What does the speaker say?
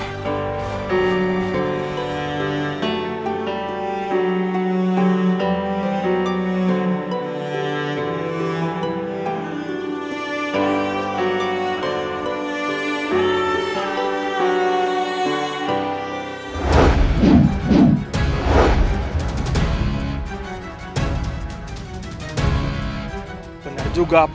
tak ada apa masalah